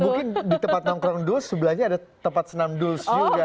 mungkin di tempat nongkrong dus sebelahnya ada tempat senam duls juga